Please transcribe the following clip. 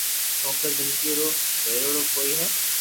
ڪونڪھ زندگي رو ڀھريري ڪوئي ھي